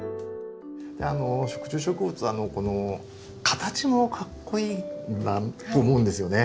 食虫植物はこの形もかっこいいなと思うんですよね。